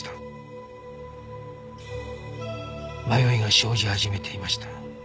迷いが生じ始めていました